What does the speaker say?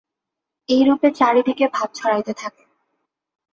এইরূপে চারিদিকে ভাব ছড়াইতে থাকে।